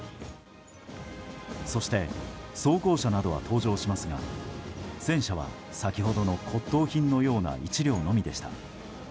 そして装甲車などは登場しますが戦車は先ほどの骨董品のような１両のみでした。